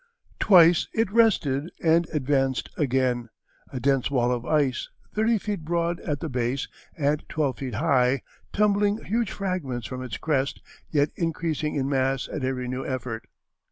Twice it rested and advanced again a dense wall of ice, thirty feet broad at the base and twelve feet high, tumbling huge fragments from its crest, yet increasing in mass at every new effort.